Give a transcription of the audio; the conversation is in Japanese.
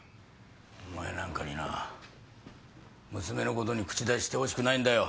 お前なんかにな娘の事に口出ししてほしくないんだよ。